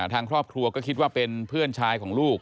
ทางครอบครัวก็คิดว่าเป็นเพื่อนชายของลูก